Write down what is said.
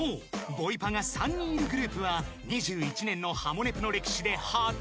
ボイパが３人いるグループは２１年の『ハモネプ』の歴史で初］